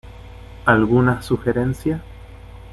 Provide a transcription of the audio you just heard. ¿Alguna sugerencia?